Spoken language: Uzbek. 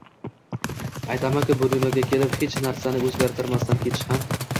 Aytaman-ku, bu dunyoga kelib hech narsani o‘zgartirmasdan ketish ham